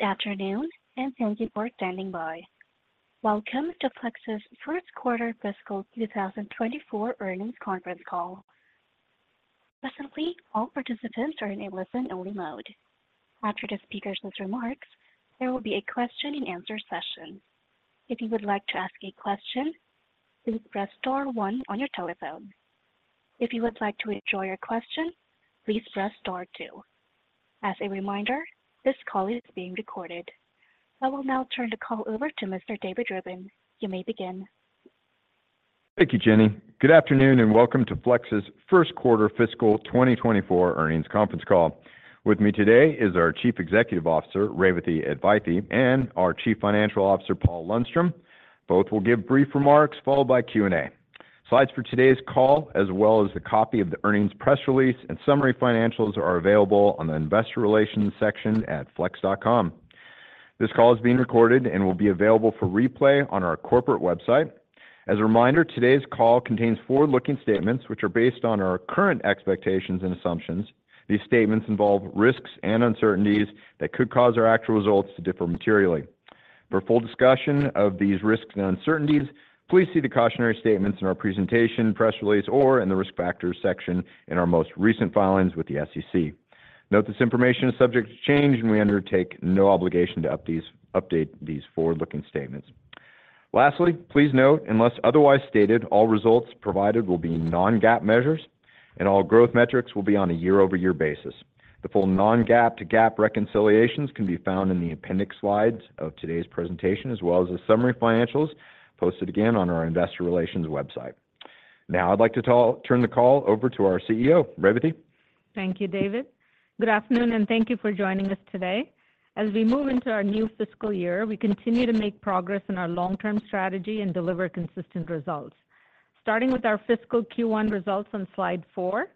Good afternoon, and thank you for standing by. Welcome to Flex's first quarter fiscal 2024 earnings conference call. Currently, all participants are in a listen-only mode. After the speakers' remarks, there will be a question-and-answer session. If you would like to ask a question, please press star one on your telephone. If you would like to withdraw your question, please press star two. As a reminder, this call is being recorded. I will now turn the call over to Mr. David Rubin. You may begin. Thank you, Jenny. Good afternoon, and welcome to Flex's first quarter fiscal 2024 earnings conference call. With me today is our Chief Executive Officer, Revathi Advaithi, and our Chief Financial Officer, Paul Lundstrom. Both will give brief remarks followed by Q&A. Slides for today's call, as well as a copy of the earnings press release and summary financials are available on the investor relations section at flex.com. This call is being recorded and will be available for replay on our corporate website. As a reminder, today's call contains forward-looking statements which are based on our current expectations and assumptions. These statements involve risks and uncertainties that could cause our actual results to differ materially. For a full discussion of these risks and uncertainties, please see the cautionary statements in our presentation, press release, or in the Risk Factors section in our most recent filings with the SEC. Note this information is subject to change, and we undertake no obligation to update these forward-looking statements. Lastly, please note, unless otherwise stated, all results provided will be non-GAAP measures, and all growth metrics will be on a year-over-year basis. The full non-GAAP to GAAP reconciliations can be found in the appendix slides of today's presentation, as well as the summary financials posted again on our investor relations website. Now, I'd like to turn the call over to our Chief Executive Officer, Revathi. Thank you, David. Good afternoon, thank you for joining us today. As we move into our new fiscal year, we continue to make progress in our long-term strategy and deliver consistent results. Starting with our fiscal Q1 results on slide four,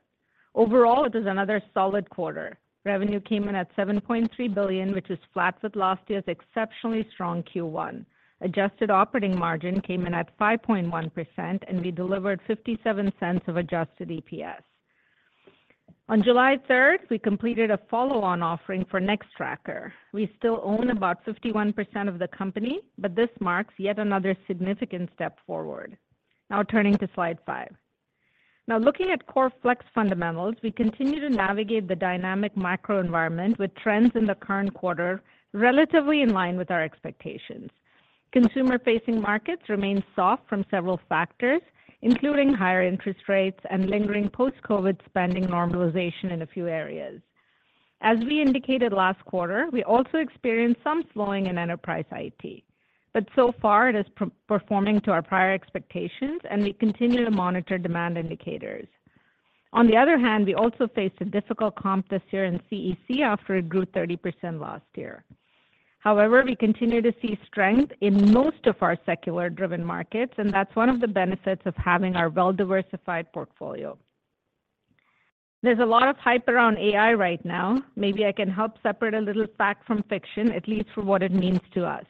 overall, it is another solid quarter. Revenue came in at $7.3 billion, which is flat with last year's exceptionally strong Q1. Adjusted operating margin came in at 5.1%, we delivered $0.57 of adjusted EPS. On July third, we completed a follow-on offering for Nextracker. We still own about 51% of the company, but this marks yet another significant step forward. Turning to slide five. Looking at core Flex fundamentals, we continue to navigate the dynamic macro environment with trends in the current quarter, relatively in line with our expectations. Consumer-facing markets remain soft from several factors, including higher interest rates and lingering post-COVID spending normalization in a few areas. As we indicated last quarter, we also experienced some slowing in enterprise IT, but so far it is performing to our prior expectations, and we continue to monitor demand indicators. On the other hand, we also faced a difficult comp this year in CEC after it grew 30% last year. However, we continue to see strength in most of our secular-driven markets, and that's one of the benefits of having our well-diversified portfolio. There's a lot of hype around AI right now. Maybe I can help separate a little fact from fiction, at least for what it means to us.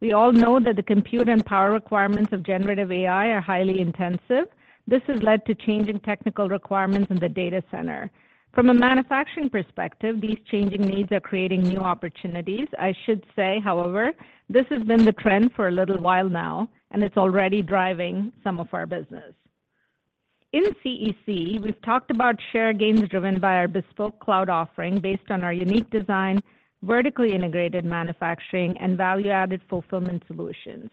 We all know that the compute and power requirements of generative AI are highly intensive. This has led to changing technical requirements in the data center. From a manufacturing perspective, these changing needs are creating new opportunities. I should say, however, this has been the trend for a little while now, and it's already driving some of our business. In CEC, we've talked about share gains driven by our bespoke cloud offering based on our unique design, vertically integrated manufacturing, and value-added fulfillment solutions.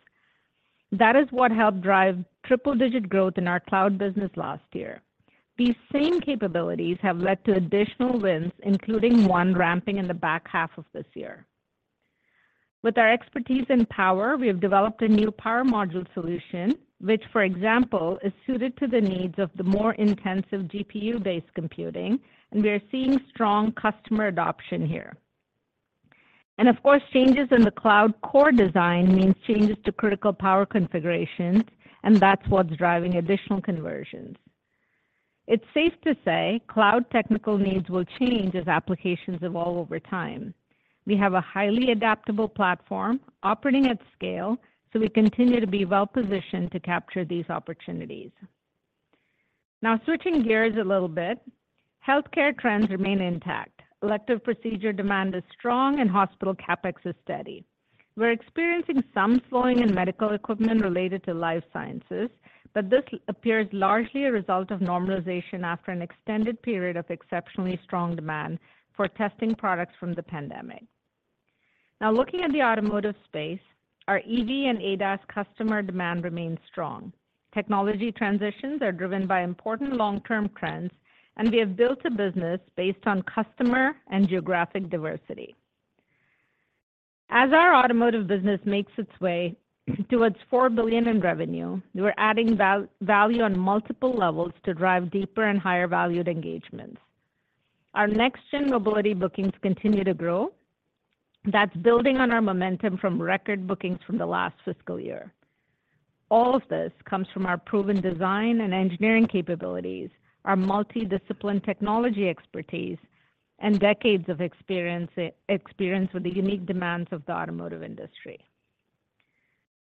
That is what helped drive triple-digit growth in our cloud business last year. These same capabilities have led to additional wins, including one ramping in the back half of this year. With our expertise in power, we have developed a new power module solution, which, for example, is suited to the needs of the more intensive GPU-based computing, and we are seeing strong customer adoption here. Of course, changes in the cloud core design means changes to critical power configurations, and that's what's driving additional conversions. It's safe to say cloud technical needs will change as applications evolve over time. We have a highly adaptable platform operating at scale, we continue to be well-positioned to capture these opportunities. Switching gears a little bit, healthcare trends remain intact. Elective procedure demand is strong and hospital CapEx is steady. We're experiencing some slowing in medical equipment related to life sciences, this appears largely a result of normalization after an extended period of exceptionally strong demand for testing products from the pandemic. Looking at the automotive space, our EV and ADAS customer demand remains strong. Technology transitions are driven by important long-term trends, we have built a business based on customer and geographic diversity. As our automotive business makes its way towards $4 billion in revenue, we're adding value on multiple levels to drive deeper and higher valued engagements. Our next-gen mobility bookings continue to grow. That's building on our momentum from record bookings from the last fiscal year. All of this comes from our proven design and engineering capabilities, our multi-discipline technology expertise, and decades of experience with the unique demands of the automotive industry.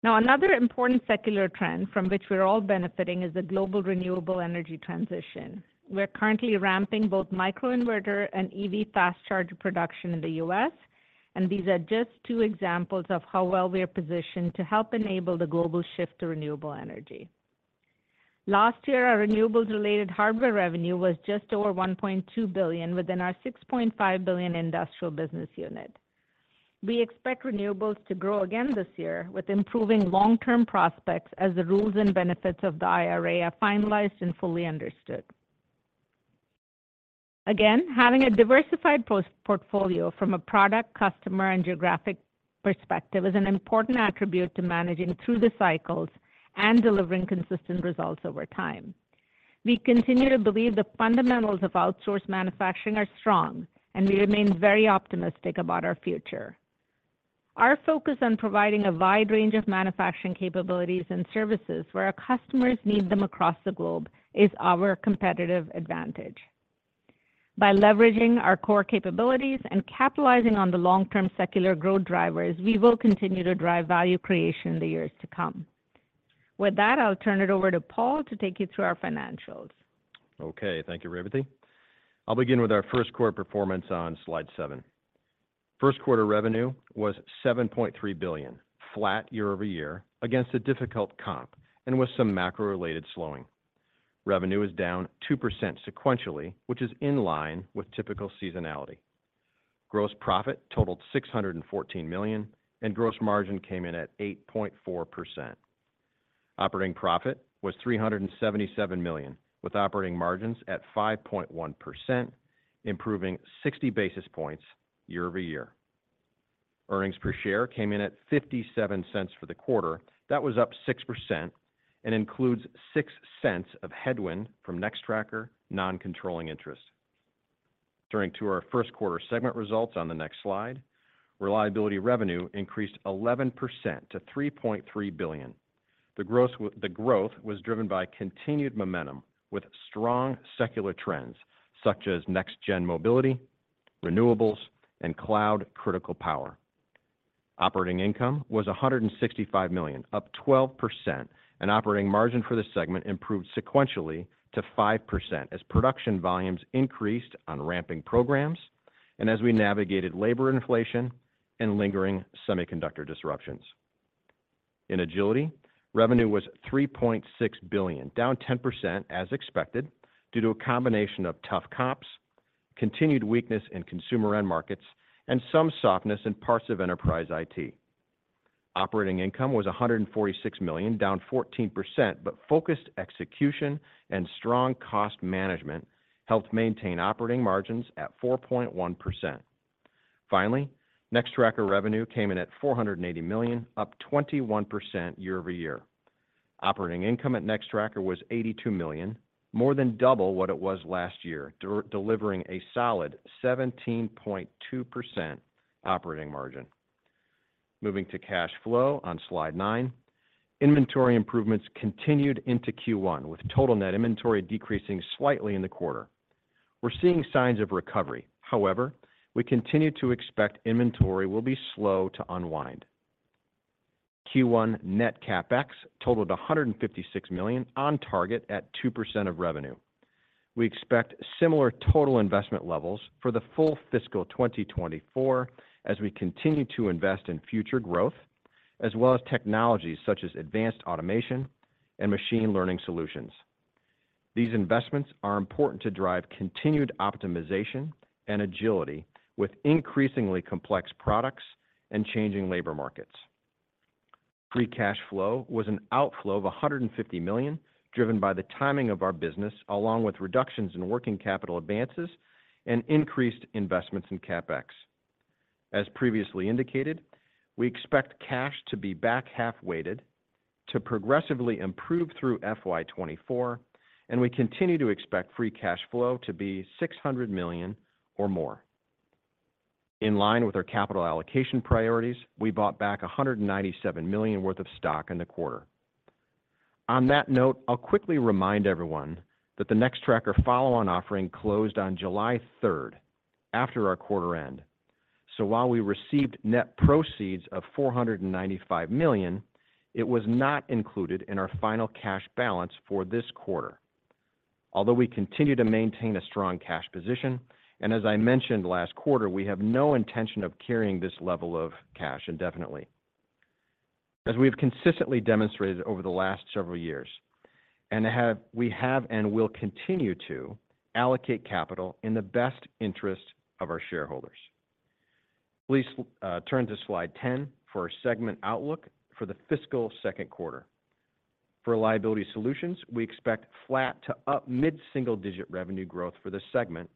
Another important secular trend from which we're all benefiting is the global renewable energy transition. We're currently ramping both microinverter and EV fast charger production in the U.S., and these are just two examples of how well we are positioned to help enable the global shift to renewable energy. Last year, our renewables-related hardware revenue was just over $1.2 billion within our $6.5 billion Industrial business unit. We expect renewables to grow again this year, with improving long-term prospects as the rules and benefits of the IRA are finalized and fully understood. Again, having a diversified portfolio from a product, customer, and geographic perspective is an important attribute to managing through the cycles and delivering consistent results over time. We continue to believe the fundamentals of outsourced manufacturing are strong. We remain very optimistic about our future. Our focus on providing a wide range of manufacturing capabilities and services where our customers need them across the globe is our competitive advantage. By leveraging our core capabilities and capitalizing on the long-term secular growth drivers, we will continue to drive value creation in the years to come. With that, I'll turn it over to Paul to take you through our financials. Okay, thank you, Revathi. I'll begin with our first quarter performance on slide 7. First quarter revenue was $7.3 billion, flat year-over-year, against a difficult comp and with some macro-related slowing. Revenue is down 2% sequentially, which is in line with typical seasonality. Gross profit totaled $614 million, and gross margin came in at 8.4%. Operating profit was $377 million, with operating margins at 5.1%, improving 60 basis points year-over-year. Earnings per share came in at $0.57 for the quarter. That was up 6% and includes $0.06 of headwind from Nextracker non-controlling interest. Turning to our first quarter segment results on the next slide, reliability revenue increased 11% to $3.3 billion. The growth was driven by continued momentum with strong secular trends such as next-gen mobility, renewables, and cloud/critical power. Operating income was $165 million, up 12%. Operating margin for the segment improved sequentially to 5% as production volumes increased on ramping programs and as we navigated labor inflation and lingering semiconductor disruptions. In Agility, revenue was $3.6 billion, down 10% as expected, due to a combination of tough comps, continued weakness in consumer end markets, and some softness in parts of enterprise IT. Operating income was $146 million, down 14%. Focused execution and strong cost management helped maintain operating margins at 4.1%. Finally, Nextracker revenue came in at $480 million, up 21% year-over-year. Operating income at Nextracker was $82 million, more than double what it was last year, delivering a solid 17.2% operating margin. Moving to cash flow on slide nine, inventory improvements continued into Q1, with total net inventory decreasing slightly in the quarter. We're seeing signs of recovery. We continue to expect inventory will be slow to unwind. Q1 net CapEx totaled $156 million, on target at 2% of revenue. We expect similar total investment levels for the full fiscal 2024, as we continue to invest in future growth, as well as technologies such as advanced automation and machine learning solutions. These investments are important to drive continued optimization and agility with increasingly complex products and changing labor markets. Free cash flow was an outflow of $150 million, driven by the timing of our business, along with reductions in working capital advances and increased investments in CapEx. As previously indicated, we expect cash to be back half weighted to progressively improve through fiscal 2024, and we continue to expect free cash flow to be $600 million or more. In line with our capital allocation priorities, we bought back $197 million worth of stock in the quarter. On that note, I'll quickly remind everyone that the Nextracker follow-on offering closed on July 3, after our quarter end. While we received net proceeds of $495 million, it was not included in our final cash balance for this quarter. Although we continue to maintain a strong cash position, and as I mentioned last quarter, we have no intention of carrying this level of cash indefinitely. As we have consistently demonstrated over the last several years, we have and will continue to allocate capital in the best interest of our shareholders. Please turn to slide 10 for our segment outlook for the fiscal second quarter. For Reliability Solutions, we expect flat to up mid-single-digit revenue growth for this segment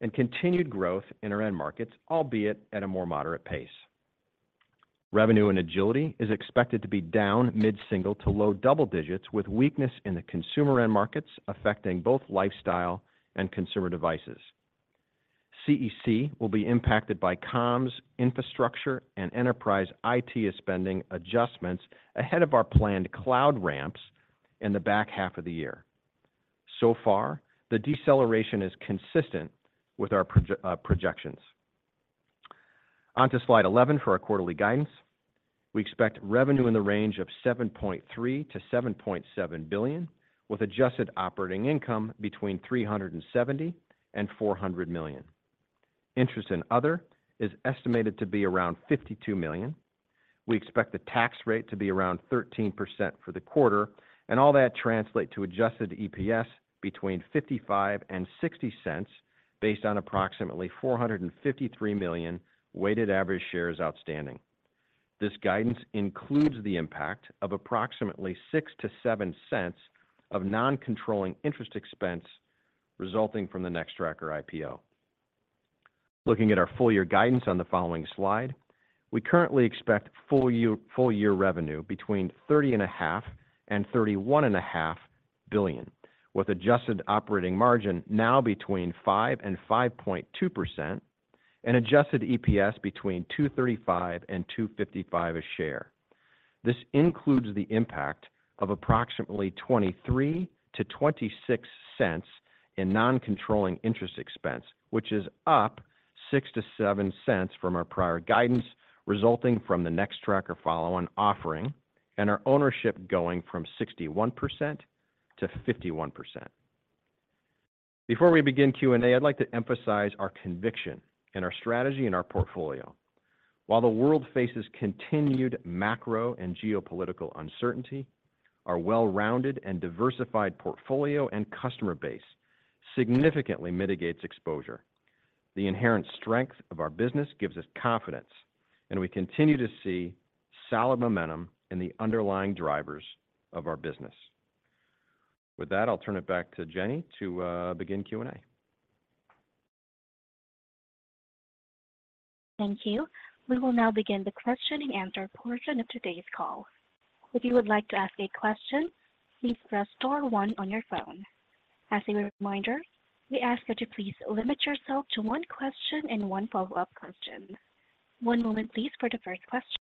and continued growth in our end markets, albeit at a more moderate pace. Revenue and Agility is expected to be down mid-single to low-double digits, with weakness in the consumer end markets affecting both Lifestyle and Consumer Devices. CEC will be impacted by comms, infrastructure, and enterprise IT spending adjustments ahead of our planned cloud ramps in the back half of the year. Far, the deceleration is consistent with our projections. On to slide 11 for our quarterly guidance. We expect revenue in the range of $7.3 billion-$7.7 billion, with adjusted operating income between $370 million and $400 million. Interest and other is estimated to be around $52 million. We expect the tax rate to be around 13% for the quarter, and all that translate to adjusted EPS between $0.55 and $0.60, based on approximately 453 million weighted average shares outstanding. This guidance includes the impact of approximately $0.06-$0.07 of non-controlling interest expense resulting from the Nextracker IPO. Looking at our full year guidance on the following slide, we currently expect full year revenue between $30.5 billion and $31.5 billion, with adjusted operating margin now between 5% and 5.2%, and adjusted EPS between $2.35 and $2.55 a share. This includes the impact of approximately $0.23-$0.26 in non-controlling interest expense, which is up $0.06-$0.07 from our prior guidance, resulting from the Nextracker follow-on offering and our ownership going from 61% to 51%. Before we begin Q&A, I'd like to emphasize our conviction in our strategy and our portfolio. While the world faces continued macro and geopolitical uncertainty, our well-rounded and diversified portfolio and customer base significantly mitigates exposure. The inherent strength of our business gives us confidence. We continue to see solid momentum in the underlying drivers of our business. With that, I'll turn it back to Jenny to begin Q&A. Thank you. We will now begin the question-and-answer portion of today's call. If you would like to ask a question, please press star one on your phone. As a reminder, we ask that you please limit yourself to one question and one follow-up question. One moment, please, for the first question.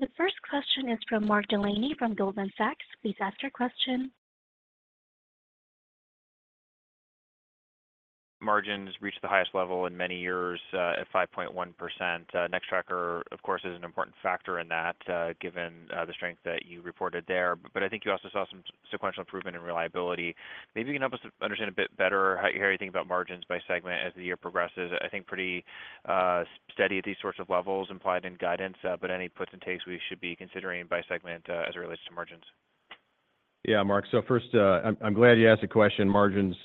The first question is from Mark Delaney from Goldman Sachs. Please ask your question. Margins reached the highest level in many years, at 5.1%. Nextracker, of course, is an important factor in that, given the strength that you reported there. I think you also saw some sequential improvement in reliability. Maybe you can help us understand a bit better how you think about margins by segment as the year progresses. I think pretty steady at these sorts of levels implied in guidance, but any puts and takes we should be considering by segment, as it relates to margins. Yeah, Mark. First, I'm glad you asked the question. Margins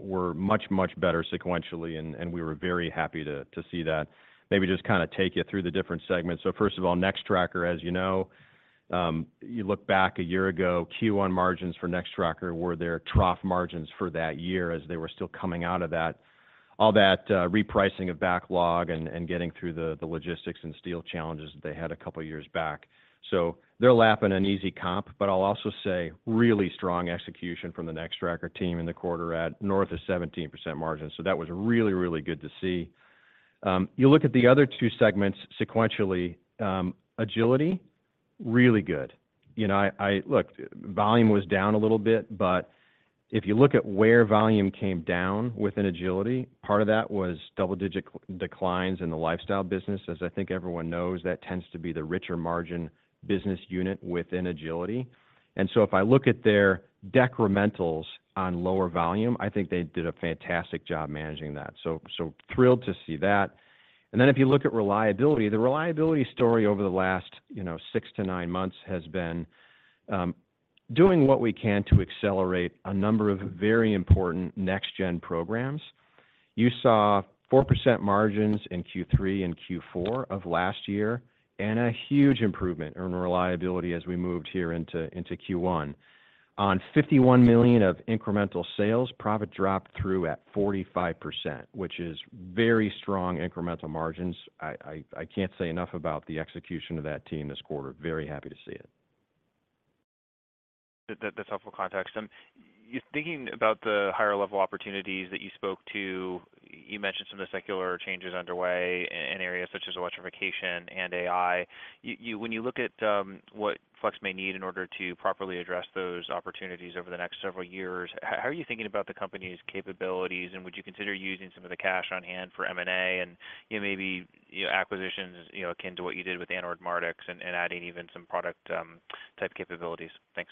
were much better sequentially, and we were very happy to see that. Maybe just kind of take you through the different segments. First of all, Nextracker, as you know, you look back a year ago, Q1 margins for Nextracker were their trough margins for that year as they were still coming out of that all that repricing of backlog and getting through the logistics and steel challenges that they had a couple of years back. They're lapping an easy comp, but I'll also say really strong execution from the Nextracker team in the quarter at north of 17% margins. That was really good to see. You look at the other two segments sequentially, Agility, really good. You know, Volume was down a little bit, but if you look at where volume came down within Agility, part of that was double-digit declines in the Lifestyle business. As I think everyone knows, that tends to be the richer margin business unit within Agility. If I look at their decrementals on lower volume, I think they did a fantastic job managing that. Thrilled to see that. If you look at Reliability, the Reliability story over the last, you know, 6 to 9 months has been doing what we can to accelerate a number of very important next-gen programs. You saw 4% margins in Q3 and Q4 of last year, a huge improvement in Reliability as we moved here into Q1. On $51 million of incremental sales, profit dropped through at 45%, which is very strong incremental margins. I can't say enough about the execution of that team this quarter. Very happy to see it. That's helpful context. Thinking about the higher level opportunities that you spoke to, you mentioned some of the secular changes underway in areas such as electrification and AI. You, when you look at, what Flex may need in order to properly address those opportunities over the next several years, how are you thinking about the company's capabilities? Would you consider using some of the cash on hand for M&A and, you know, maybe, you know, acquisitions, you know, akin to what you did with Anord Mardix and adding even some product, type capabilities? Thanks.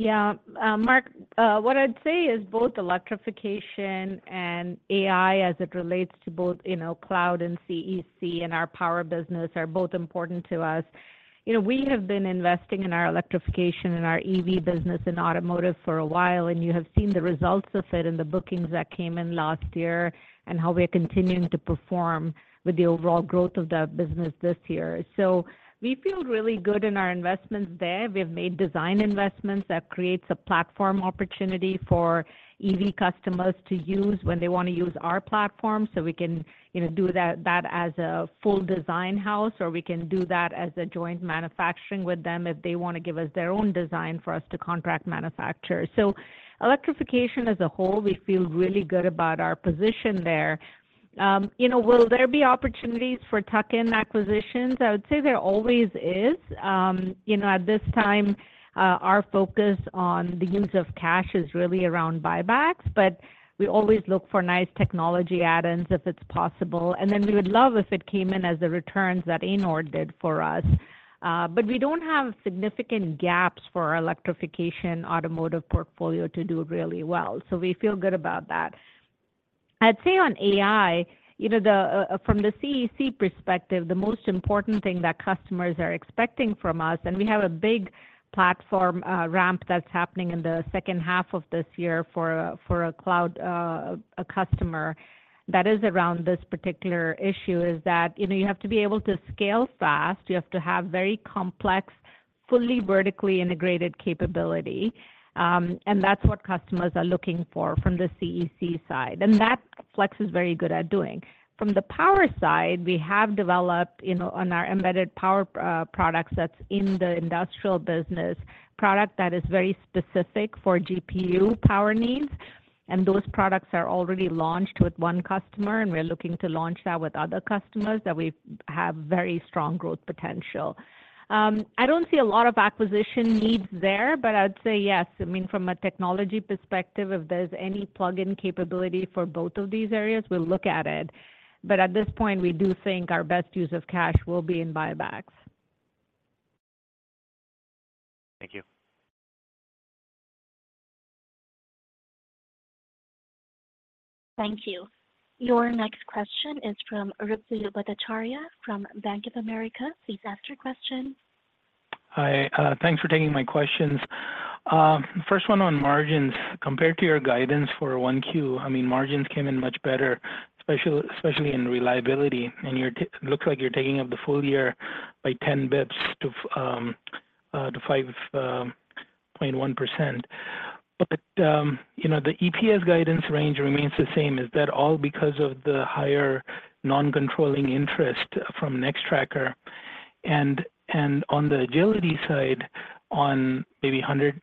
Yeah. Mark, what I'd say is both electrification and AI, as it relates to both, you know, cloud and CEC and our power business, are both important to us. You know, we have been investing in our electrification and our EV business and automotive for a while, and you have seen the results of it in the bookings that came in last year and how we are continuing to perform with the overall growth of that business this year. We feel really good in our investments there. We've made design investments that creates a platform opportunity for EV customers to use when they want to use our platform, so we can, you know, do that as a full design house, or we can do that as a joint manufacturing with them if they want to give us their own design for us to contract manufacture. Electrification as a whole, we feel really good about our position there. You know, will there be opportunities for tuck-in acquisitions? I would say there always is. You know, at this time, our focus on the use of cash is really around buybacks, but we always look for nice technology add-ins if it's possible. Then we would love if it came in as the returns that Anord did for us. But we don't have significant gaps for our electrification automotive portfolio to do really well, we feel good about that. I'd say on AI, you know, the from the CEC perspective, the most important thing that customers are expecting from us, and we have a big platform ramp that's happening in the second half of this year for a for a cloud customer, that is around this particular issue, is that, you know, you have to be able to scale fast. You have to have very complex, fully vertically integrated capability, and that's what customers are looking for from the CEC side, and that Flex is very good at doing. From the power side, we have developed, you know, on our embedded power products that's in the Industrial business, product that is very specific for GPU power needs, and those products are already launched with one customer, and we're looking to launch that with other customers that we have very strong growth potential. I don't see a lot of acquisition needs there, but I'd say yes. I mean, from a technology perspective, if there's any plugin capability for both of these areas, we'll look at it. At this point, we do think our best use of cash will be in buybacks. Thank you. Thank you. Your next question is from Ruplu Bhattacharya from Bank of America. Please ask your question. Hi, thanks for taking my questions. First one on margins. Compared to your guidance for 1Q, I mean, margins came in much better, especially in Reliability, and looks like you're taking up the full year by 10 basis points to to 5.1%. The, you know, the EPS guidance range remains the same. Is that all because of the higher non-controlling interest from Nextracker? On the Agility side, on maybe $100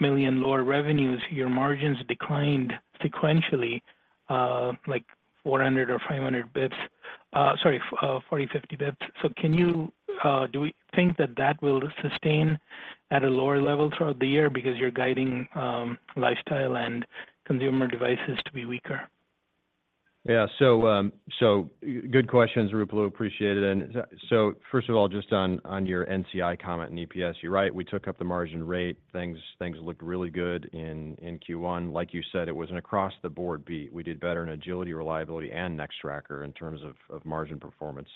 million lower revenues, your margins declined sequentially, like 400-500 basis points, sorry, 40-50 basis points. Can you do we think that that will sustain at a lower level throughout the year because you're guiding Lifestyle and Consumer Devices to be weaker? Yeah. Good questions, Ruplu, appreciate it. First of all, just on your NCI comment and EPS, you're right, we took up the margin rate. Things looked really good in Q1. Like you said, it was an across-the-board beat. We did better in Agility, Reliability, and Nextracker in terms of margin performance.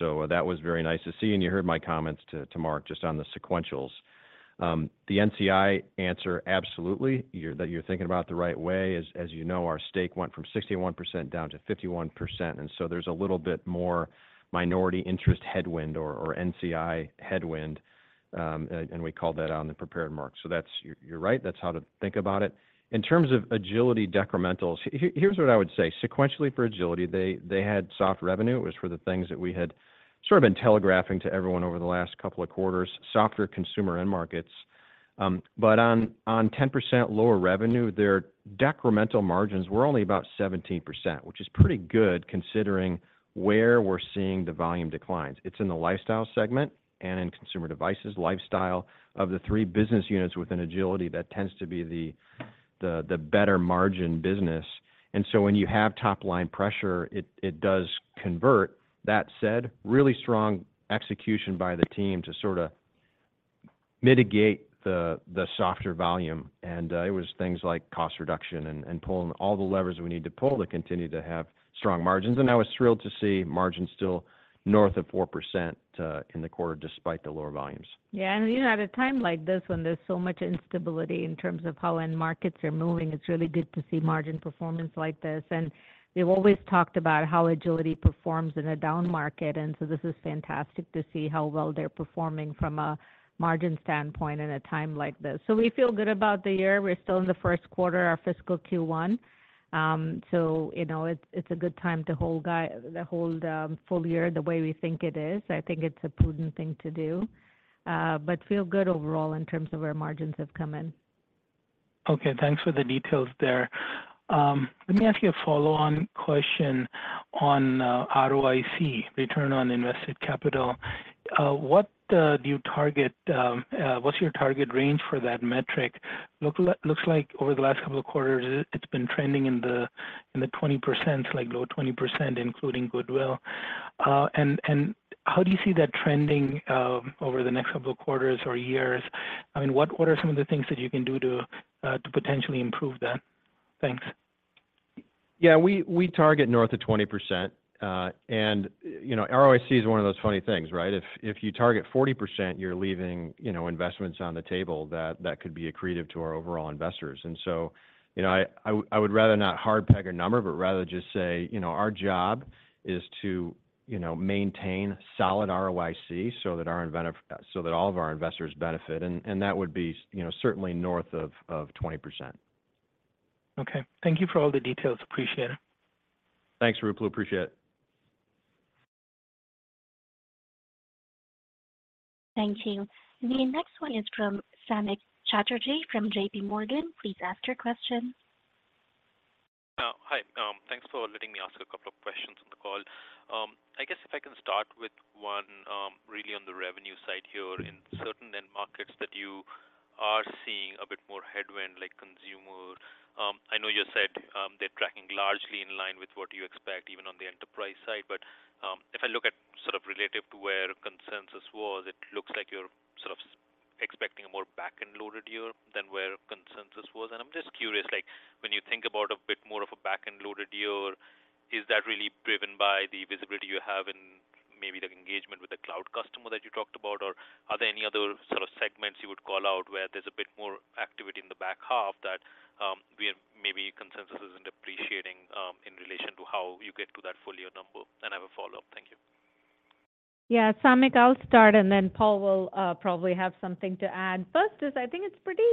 That was very nice to see, and you heard my comments to Mark, just on the sequentials. The NCI answer: absolutely. You're thinking about the right way. As you know, our stake went from 61% down to 51%, there's a little bit more minority interest headwind or NCI headwind, and we called that out on the prepared mark. That's. You're right, that's how to think about it. In terms of Agility decrementals, here's what I would say. Sequentially for Agility, they had soft revenue. It was for the things that we had sort of been telegraphing to everyone over the last couple of quarters, softer consumer end markets. On 10% lower revenue, their decremental margins were only about 17%, which is pretty good, considering where we're seeing the volume declines. It's in the Lifestyle segment and in Consumer Devices. Lifestyle, of the three business units within Agility, that tends to be the better margin business. When you have top-line pressure, it does convert. That said, really strong execution by the team to sorta mitigate the softer volume. It was things like cost reduction and pulling all the levers we need to pull to continue to have strong margins. I was thrilled to see margins still north of 4%, in the quarter, despite the lower volumes. Yeah, you know, at a time like this, when there's so much instability in terms of how end markets are moving, it's really good to see margin performance like this. We've always talked about how Agility performs in a down market, this is fantastic to see how well they're performing from a margin standpoint in a time like this. We feel good about the year. We're still in the first quarter, our fiscal Q1. So, you know, it's a good time to hold the hold full year, the way we think it is. I think it's a prudent thing to do, but feel good overall in terms of where margins have come in. Okay, thanks for the details there. Let me ask you a follow-on question on ROIC, return on invested capital. What do you target, what's your target range for that metric? Looks like over the last couple of quarters, it's been trending in the 20%, like low 20%, including goodwill. And how do you see that trending over the next couple of quarters or years? I mean, what are some of the things that you can do to potentially improve that? Thanks. Yeah, we target north of 20%, you know, ROIC is one of those funny things, right? If you target 40%, you're leaving, you know, investments on the table that could be accretive to our overall investors. You know, I would rather not hard peg a number, but rather just say, you know, our job is to, you know, maintain solid ROIC so that all of our investors benefit. That would be, you know, certainly north of 20%. Okay. Thank you for all the details. Appreciate it. Thanks, Ruplu. Appreciate it. Thank you. The next one is from Samik Chatterjee from JP Morgan. Please ask your question. Hi. Thanks for letting me ask a couple of questions on the call. I guess if I can start with one, really on the revenue side here in certain end markets that you are seeing a bit more headwind like Consumer Devices. I know you said, they're tracking largely in line with what you expect, even on the enterprise side, if I look at sort of relative to where consensus was, it looks like you're sort of expecting a more back-end loaded year than where consensus was. I'm just curious, like, when you think about a bit more of a back-end loaded year, is that really driven by the visibility you have in maybe the engagement with the cloud/critical power customer that you talked about? Are there any other sort of segments you would call out where there's a bit more activity in the back half that we have maybe consensus isn't appreciating in relation to how you get to that full year number? I have a follow-up. Thank you. Yeah, Samik, I'll start, and then Paul will probably have something to add. First is I think it's pretty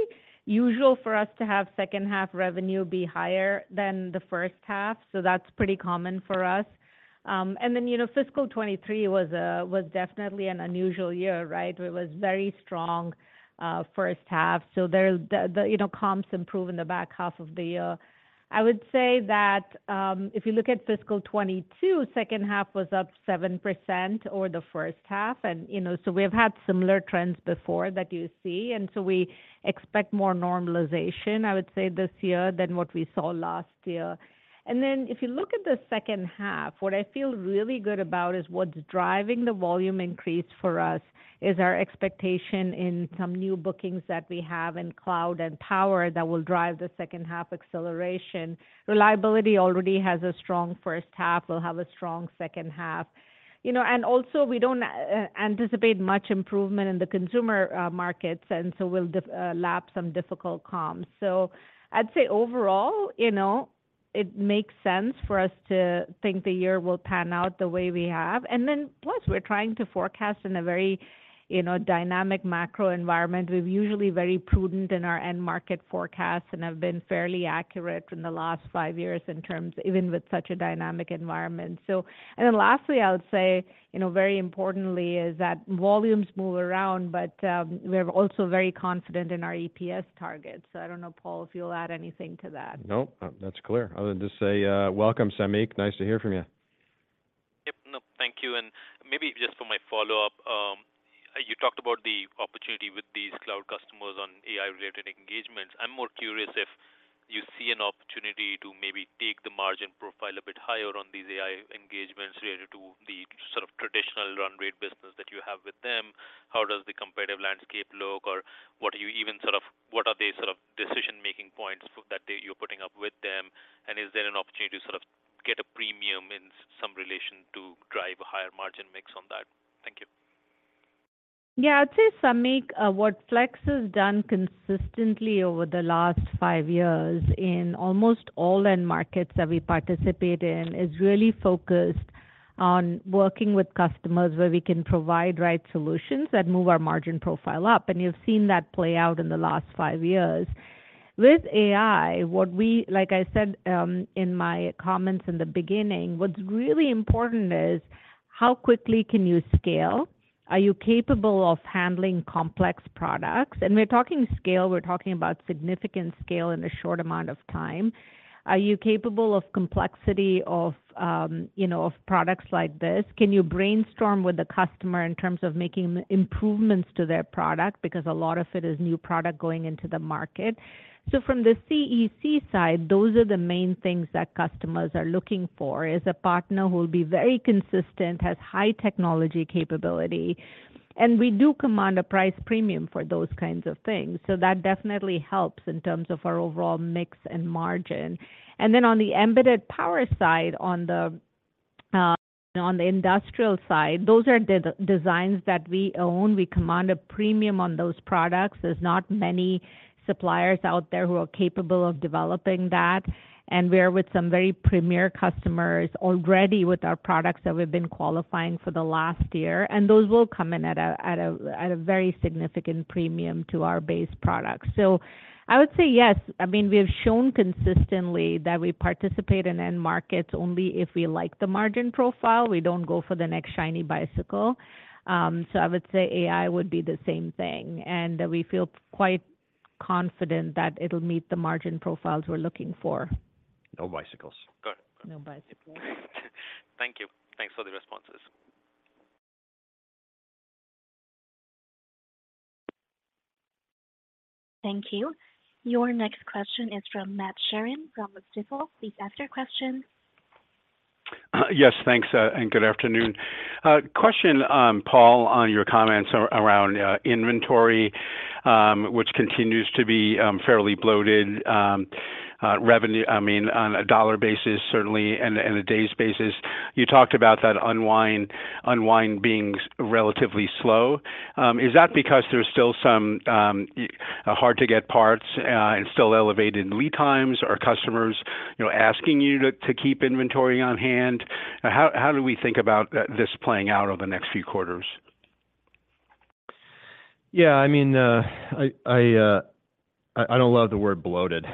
usual for us to have second half revenue be higher than the first half, so that's pretty common for us. You know, fiscal 2023 was definitely an unusual year, right? It was very strong, first half. There's the, you know, comps improve in the back half of the year. I would say that, if you look at fiscal 2022, second half was up 7% over the first half, and, you know, so we've had similar trends before that you see, and so we expect more normalization, I would say, this year than what we saw last year. If you look at the second half, what I feel really good about is what's driving the volume increase for us is our expectation in some new bookings that we have in cloud and power that will drive the second half acceleration. Reliability already has a strong first half, will have a strong second half. You know, and also we don't anticipate much improvement in the consumer markets, and so we'll lap some difficult comms. I'd say overall, you know, it makes sense for us to think the year will pan out the way we have. Plus, we're trying to forecast in a very, you know, dynamic macro environment. We're usually very prudent in our end market forecasts and have been fairly accurate in the last 5 years in terms... even with such a dynamic environment. Lastly, I would say, you know, very importantly, is that volumes move around, but we're also very confident in our EPS targets. I don't know, Paul, if you'll add anything to that. No, that's clear. I would just say, welcome, Samik. Nice to hear from you. Yep. No, thank you. Maybe just for my follow-up, you talked about the opportunity with these cloud customers on AI-related engagements. I'm more curious if you see an opportunity to maybe take the margin profile a bit higher on these AI engagements related to the sort of traditional run rate business that you have with them. How does the competitive landscape look? What do you even what are the sort of decision-making points for that you're putting up with them? Is there an opportunity to sort of get a premium in some relation to drive a higher margin mix on that? Thank you. Yeah, I'd say, Samik, what Flex has done consistently over the last 5 years in almost all end markets that we participate in, is really focused on working with customers where we can provide right solutions that move our margin profile up. You've seen that play out in the last 5 years. With AI, like I said, in my comments in the beginning, what's really important is how quickly can you scale? Are you capable of handling complex products? We're talking scale, we're talking about significant scale in a short amount of time. Are you capable of complexity of, you know, of products like this? Can you brainstorm with the customer in terms of making improvements to their product? Because a lot of it is new product going into the market. From the CEC side, those are the main things that customers are looking for: is a partner who will be very consistent, has high technology capability, and we do command a price premium for those kinds of things. That definitely helps in terms of our overall mix and margin. Then on the embedded power side, on the industrial side, those are the designs that we own. We command a premium on those products. There's not many suppliers out there who are capable of developing that, and we're with some very premier customers already with our products that we've been qualifying for the last year, and those will come in at a very significant premium to our base products. I would say yes. I mean, we have shown consistently that we participate in end markets only if we like the margin profile. We don't go for the next shiny bicycle. I would say AI would be the same thing, and we feel quite confident that it'll meet the margin profiles we're looking for. No bicycles. Got it. No bicycles. Thank you. Thanks for the responses. Thank you. Your next question is from Matt Sheerin, from Stifel. Please ask your question. Yes, thanks, good afternoon. Question, Paul, on your comments around inventory, which continues to be fairly bloated, revenue, I mean, on a dollar basis, certainly, and a days basis. You talked about that unwind being relatively slow. Is that because there's still some hard-to-get parts and still elevated lead times? Are customers, you know, asking you to keep inventory on hand? How do we think about this playing out over the next few quarters?? I mean, I don't love the word bloated,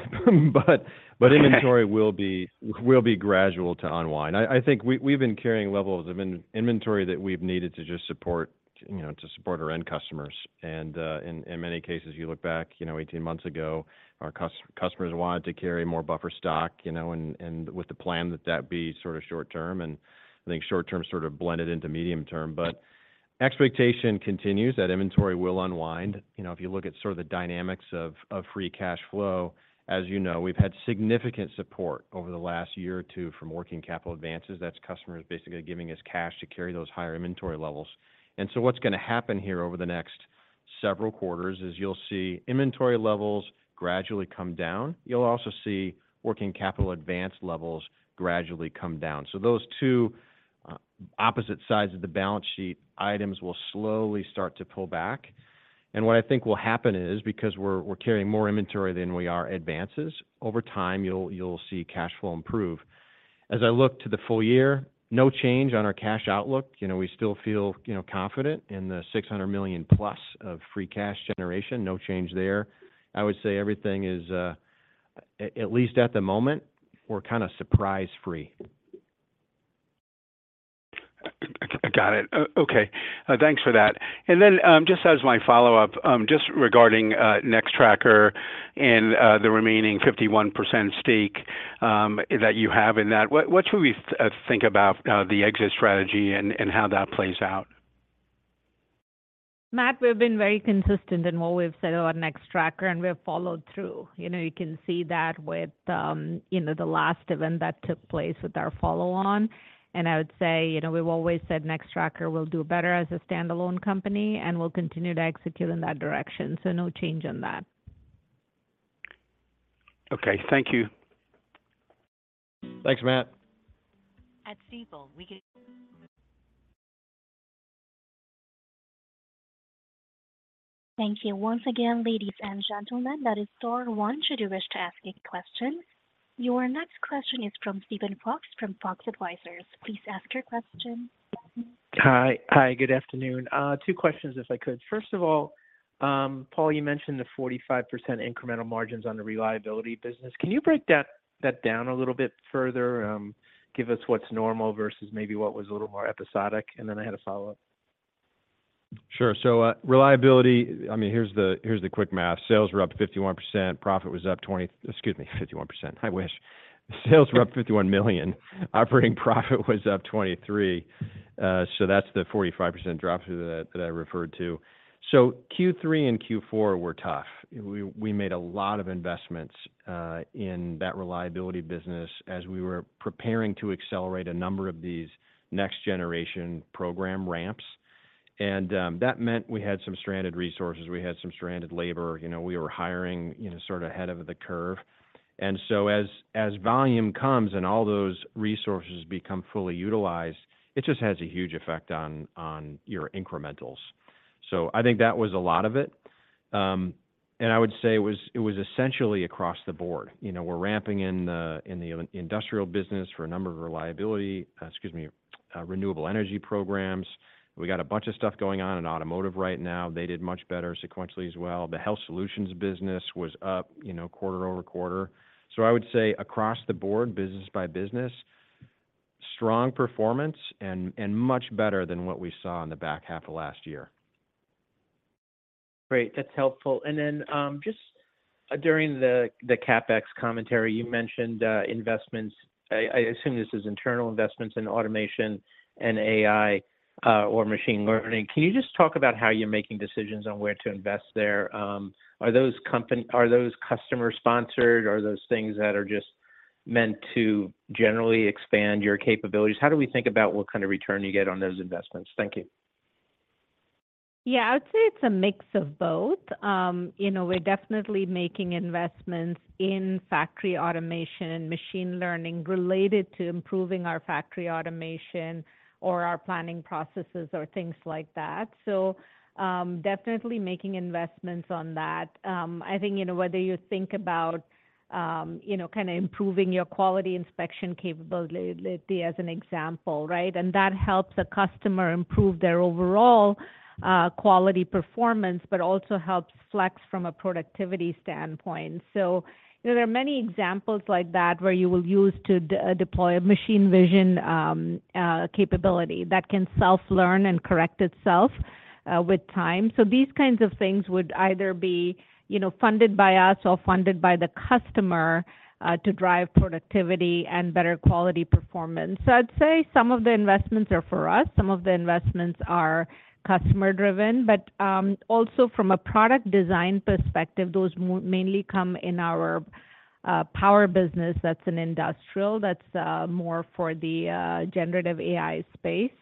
but inventory will be gradual to unwind. I think we've been carrying levels of inventory that we've needed to just support, you know, to support our end customers. In many cases, you look back, you know, 18 months ago, our customers wanted to carry more buffer stock, you know, and with the plan that that be sort of short term. I think short term sort of blended into medium term. Expectation continues, that inventory will unwind. You know, if you look at sort of the dynamics of free cash flow, as you know, we've had significant support over the last year or two from working capital advances. That's customers basically giving us cash to carry those higher inventory levels. What's gonna happen here over the next several quarters is you'll see inventory levels gradually come down. You'll also see working capital advance levels gradually come down. Those two opposite sides of the balance sheet items will slowly start to pull back. What I think will happen is, because we're carrying more inventory than we are advances, over time, you'll see cash flow improve. As I look to the full year, no change on our cash outlook. You know, we still feel, you know, confident in the $600 million plus of free cash generation. No change there. I would say everything is, at least at the moment, we're kind of surprise-free. I got it. Okay, thanks for that. Then, just as my follow-up, just regarding Nextracker and the remaining 51% stake that you have in that, what should we think about the exit strategy and how that plays out? Matt, we've been very consistent in what we've said about Nextracker. We have followed through. You know, you can see that with, you know, the last event that took place with our follow-on. I would say, you know, we've always said Nextracker will do better as a standalone company, and we'll continue to execute in that direction. No change on that. Okay. Thank you. Thanks, Matt. Thank you once again, ladies and gentlemen, that is door one should you wish to ask any questions. Your next question is from Steven Fox, from Fox Advisors. Please ask your question. Hi. Hi, good afternoon. Two questions, if I could. First of all, Paul, you mentioned the 45% incremental margins on the reliability business. Can you break that down a little bit further? Give us what's normal versus maybe what was a little more episodic. Then I had a follow-up. Sure. I mean, here's the quick math. Sales were up 51%, profit was up... Excuse me, 51%, I wish. Sales were up $51 million, operating profit was up $23 million. That's the 45% drop through that I referred to. Q3 and Q4 were tough. We made a lot of investments in that reliability business as we were preparing to accelerate a number of these next generation program ramps. That meant we had some stranded resources, we had some stranded labor, you know, we were hiring, you know, sort of ahead of the curve. As volume comes and all those resources become fully utilized, it just has a huge effect on your incrementals. I think that was a lot of it. I would say it was essentially across the board. You know, we're ramping in the Industrial business for a number of reliability, renewable energy programs. We got a bunch of stuff going on in automotive right now. They did much better sequentially as well. The health solutions business was up, you know, quarter-over-quarter. I would say across the board, business by business, strong performance and much better than what we saw in the back half of last year. Great, that's helpful. Just during the CapEx commentary, you mentioned investments. I assume this is internal investments in automation and AI or machine learning. Can you just talk about how you're making decisions on where to invest there? Are those customer sponsored, or are those things that are just meant to generally expand your capabilities? How do we think about what kind of return you get on those investments? Thank you. Yeah, I would say it's a mix of both. You know, we're definitely making investments in factory automation and machine learning related to improving our factory automation or our planning processes or things like that. Definitely making investments on that. I think, you know, whether you think about, you know, kind of improving your quality inspection capability as an example, right? That helps a customer improve their overall quality performance, but also helps Flex from a productivity standpoint. You know, there are many examples like that where you will use to deploy a machine vision capability that can self-learn and correct itself with time. These kinds of things would either be, you know, funded by us or funded by the customer to drive productivity and better quality performance. I'd say some of the investments are for us, some of the investments are customer-driven, but, also from a product design perspective, those mainly come in our power business. That's in Industrial, that's more for the generative AI space,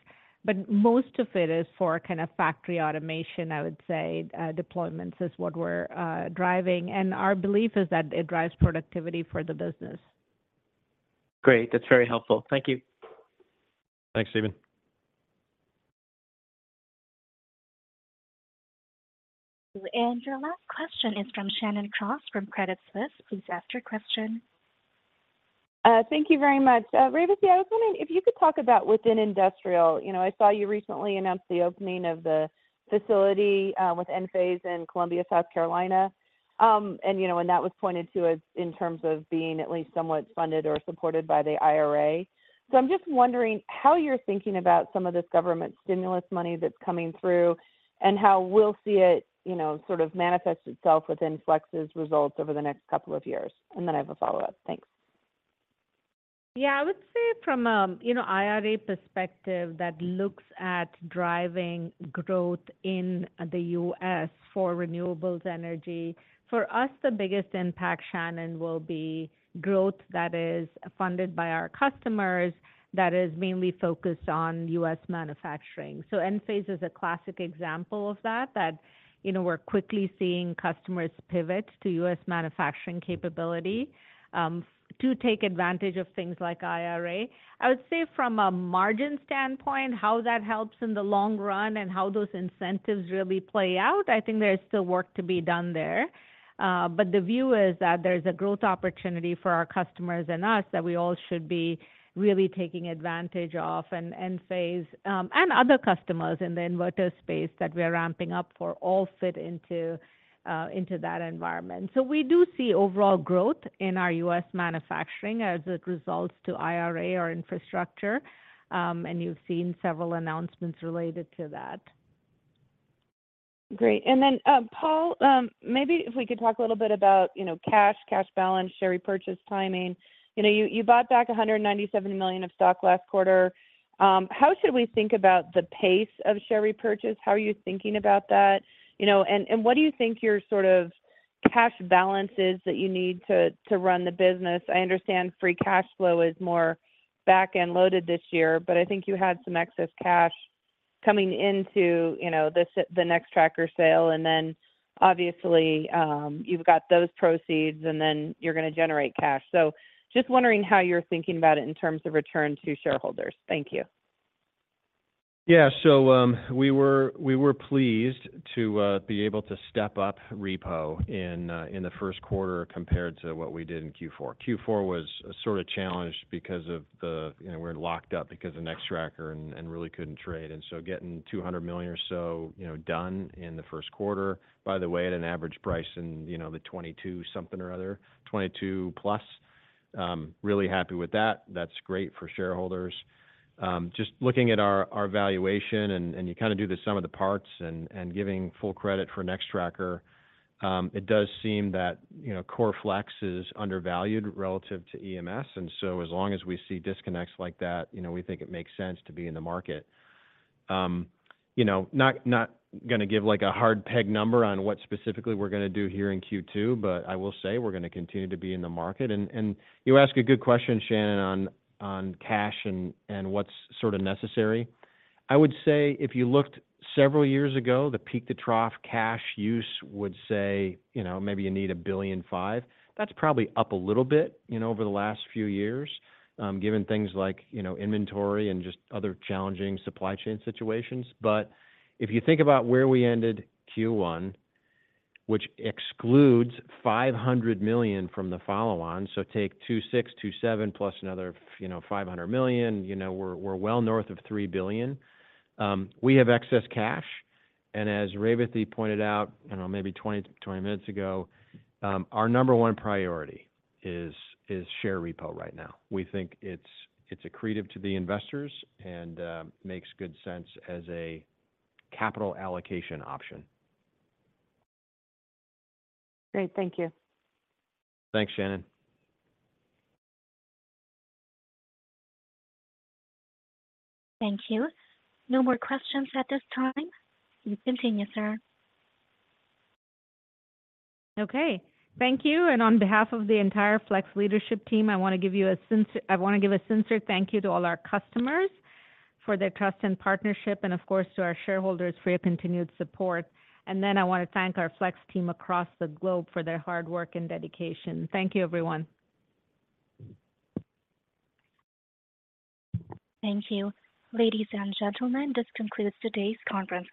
but most of it is for kind of factory automation, I would say, deployments is what we're driving. Our belief is that it drives productivity for the business. Great. That's very helpful. Thank you. Thanks, Steven. Your last question is from Shannon Cross, from Credit Suisse. Please ask your question. Thank you very much. Revathi, I was wondering if you could talk about within industrial, you know, I saw you recently announced the opening of the facility with Enphase in Columbia, South Carolina. You know, and that was pointed to as in terms of being at least somewhat funded or supported by the IRA. I'm just wondering how you're thinking about some of this government stimulus money that's coming through, and how we'll see it, you know, sort of manifest itself within Flex's results over the next couple of years. I have a follow-up. Thanks. Yeah, I would say from a, you know, IRA perspective that looks at driving growth in the U.S. for renewables energy, for us, the biggest impact, Shannon, will be growth that is funded by our customers, that is mainly focused on U.S. manufacturing. Enphase is a classic example of that, you know, we're quickly seeing customers pivot to U.S. manufacturing capability to take advantage of things like IRA. I would say from a margin standpoint, how that helps in the long run and how those incentives really play out, I think there's still work to be done there. The view is that there's a growth opportunity for our customers and us, that we all should be really taking advantage of, and Enphase and other customers in the inverter space that we're ramping up for, all fit into that environment. We do see overall growth in our U.S. manufacturing as it results to IRA or infrastructure, and you've seen several announcements related to that. Great. Paul, maybe if we could talk a little bit about, you know, cash balance, share repurchase timing. You know, you bought back $197 million of stock last quarter. How should we think about the pace of share repurchase? How are you thinking about that? You know, and what do you think your sort of cash balance is that you need to run the business? I understand free cash flow is more back-end loaded this year, but I think you had some excess cash coming into, you know, the Nextracker sale, and then obviously, you've got those proceeds, and then you're going to generate cash. Just wondering how you're thinking about it in terms of return to shareholders. Thank you. Yeah. We were pleased to be able to step up repo in the first quarter compared to what we did in Q4. Q4 was sort of challenged because of the, you know, we're locked up because of Nextracker and really couldn't trade. Getting $200 million or so, you know, done in the first quarter, by the way, at an average price in, you know, the 22 something or other, 22 plus, really happy with that. That's great for shareholders. Just looking at our valuation, you kind of do the sum of the parts giving full credit for Nextracker, it does seem that, you know, core Flex is undervalued relative to EMS, as long as we see disconnects like that, you know, we think it makes sense to be in the market. You know, not gonna give, like, a hard peg number on what specifically we're gonna do here in Q2, but I will say we're gonna continue to be in the market. You ask a good question, Shannon, on cash and what's sort of necessary. I would say if you looked several years ago, the peak-to-trough cash use would say, you know, maybe you need $1.5 billion. That's probably up a little bit, you know, over the last few years, given things like, you know, inventory and just other challenging supply chain situations. If you think about where we ended Q1, which excludes $500 million from the follow-on, so take $2.6 billion, $2.7 billion plus another, you know, $500 million, you know, we're well north of $3 billion. We have excess cash, and as Revathi pointed out, I don't know, maybe 20 minutes ago, our number one priority is share repo right now. We think it's accretive to the investors and makes good sense as a capital allocation option. Great. Thank you. Thanks, Shannon. Thank you. No more questions at this time. Please continue, sir. Okay. Thank you, and on behalf of the entire Flex leadership team, I want to give you a sincere thank you to all our customers for their trust and partnership, and of course, to our shareholders for your continued support. I want to thank our Flex team across the globe for their hard work and dedication. Thank you, everyone. Thank you. Ladies and gentlemen, this concludes today's conference call.